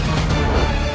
dan menangkap kake guru